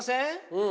うん。